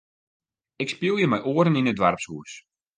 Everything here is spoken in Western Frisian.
Ik spylje mei oaren yn it doarpshûs.